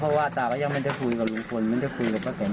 เพราะว่าตาก็ยังไม่ได้คุยกับลุงพลไม่ได้คุยกับป้าแตน